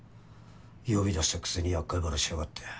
呼び出したくせに厄介払いしやがって。